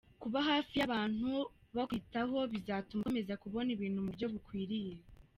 Kuba hafi y’abantu bakwitaho, bizatuma ukomeza kubona ibintu mu buryo bukwiriye.